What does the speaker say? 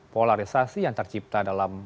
polarisasi yang tercipta dalam